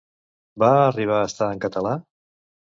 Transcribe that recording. Va arribar a estar en català?